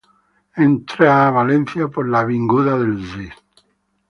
Entra a Valencia por la Avinguda del Cid.